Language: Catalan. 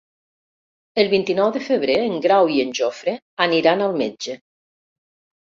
El vint-i-nou de febrer en Grau i en Jofre aniran al metge.